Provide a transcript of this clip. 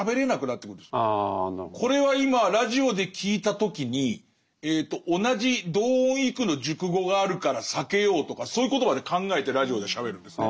これは今ラジオで聴いた時に同じ同音異句の熟語があるから避けようとかそういうことまで考えてラジオではしゃべるんですね。